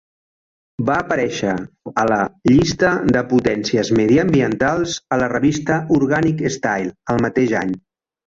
Va aparèixer a la "Llista de potències mediambientals" a la revista "Organic Style" el mateix any.